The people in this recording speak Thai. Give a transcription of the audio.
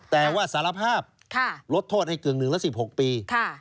แต่ว่าสารภาพลดโทษให้เกือบ๑ละ๑๖ปี